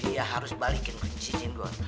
dia harus balikin ke cijin gua